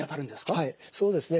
はいそうですね。